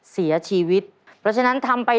ซึ่งเป็นคำตอบที่